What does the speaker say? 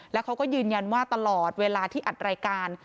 แล้วเขาก็ยืนยันว่าตลอดเวลาที่อัดรายการ